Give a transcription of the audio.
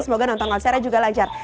semoga nonton konsernya juga lancar